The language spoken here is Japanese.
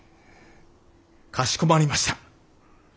かしこまりました。